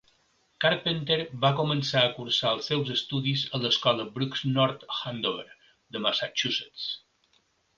Carpenter va començar a cursar els seus estudis a l'escola Brooks North Andover, Massachusetts.